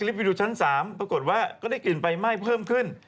ไปดูชั้น๓ปรากฏว่าก็ได้กลิ่นไฟไหม้เพิ่มขึ้น